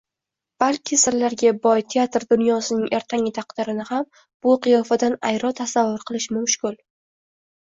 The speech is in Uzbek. balki sirlarga boy teatr dunyosining ertangi taqdirini ham bu qiyofadan ayro tasavvur qilish mushkul.